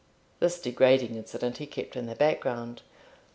this degrading incident he kept in the background.